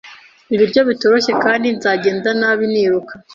ibiryo bitoshye kandi nzagenda nabi niruka